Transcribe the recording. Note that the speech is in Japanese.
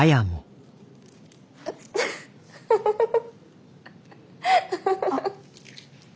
フフフフフ。